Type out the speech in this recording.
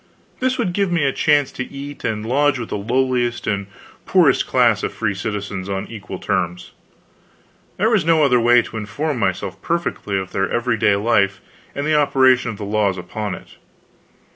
This would give me a chance to eat and lodge with the lowliest and poorest class of free citizens on equal terms. There was no other way to inform myself perfectly of their everyday life and the operation of the laws upon it.